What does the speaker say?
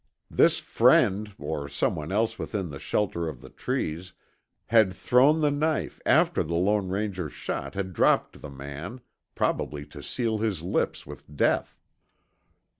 This "friend" or someone else within the shelter of the trees had thrown the knife after the Lone Ranger's shot had dropped the man, probably to seal his lips with death.